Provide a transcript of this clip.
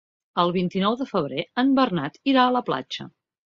El vint-i-nou de febrer en Bernat irà a la platja.